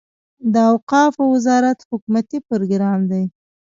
د اوقافو وزارت حکومتي پروګرام دی.